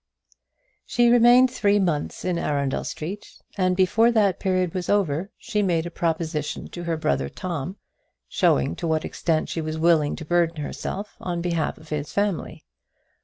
She remained three months in Arundel Street, and before that period was over she made a proposition to her brother Tom, showing to what extent she was willing to burden herself on behalf of his family.